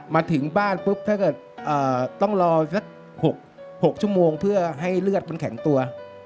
มาถึงบ้านต้องรอ๖ชั่วโมงเพื่อให้เลือดมันแข็งตัว